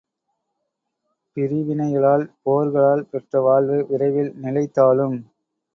பிரிவினைகளால் போர்களால் பெற்ற வாழ்வு விரைவில் நிலை தாழும்!